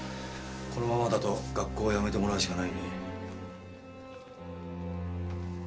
このままだと学校を辞めてもらうしかないね。